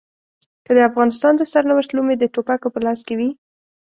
که د افغانستان د سرنوشت لومې د ټوپکو په لاس کې وي.